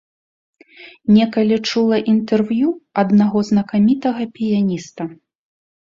Некалі чула інтэрв'ю аднаго знакамітага піяніста.